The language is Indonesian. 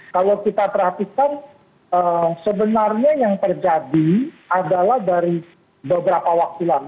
kalau kita perhatikan sebenarnya yang terjadi adalah dari beberapa waktu lalu